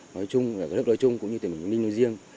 nói chung là các lớp đối chung cũng như tỉnh bình ninh